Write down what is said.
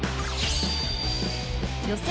予選